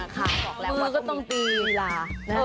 มาน่าค้าก็ต้องตีธีรา